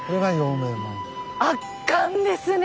圧巻ですね